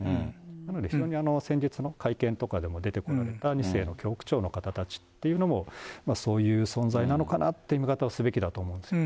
なので非常に先日の会見なんかでも出てこられた２世の教区長の方たちっていうのも、そういう存在なのかなっていう見方をすべきだ